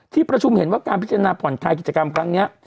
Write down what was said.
ที่ประชุมเห็นว่าการพิจารณาผ่อนคลายกิจกรรมครั้งนี้